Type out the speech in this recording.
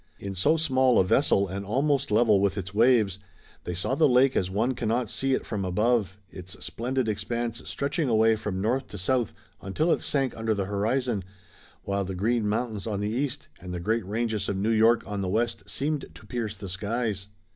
In so small a vessel and almost level with its waves, they saw the lake as one cannot see it from above, its splendid expanse stretching away from north to south, until it sank under the horizon, while the Green Mountains on the east and the great ranges of New York on the west seemed to pierce the skies.